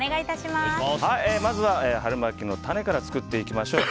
まずは春巻きのタネから作っていきましょう。